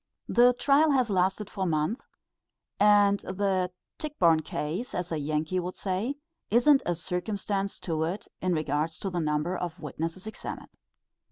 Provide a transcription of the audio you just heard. The trial has lasted for months, and the Tichborne Case, as a Yankee would say, isn't a circumstance to it in regard to the number of witnesses examined.